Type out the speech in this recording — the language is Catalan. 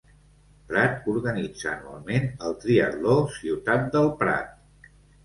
Prat organitza anualment el triatló 'Ciutat del Prat'.